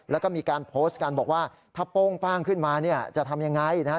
แล้วก็มีการโพสต์กันบอกว่าถ้าโป้งป้างขึ้นมาเนี่ยจะทำยังไงนะฮะ